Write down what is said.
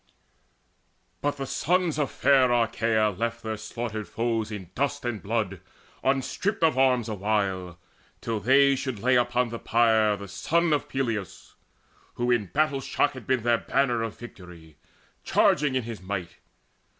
But the sons Of fair Achaea left their slaughtered foes In dust and blood unstripped of arms awhile Till they should lay upon the pyre the son Of Peleus, who in battle shock had been Their banner of victory, charging in his might.